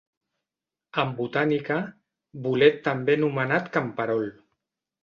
En botànica, bolet també anomenat camperol.